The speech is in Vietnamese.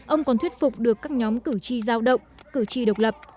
ông còn thuyết phục được các nhóm cử tri giao động cử tri độc lập